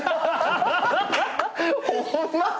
ホンマか！？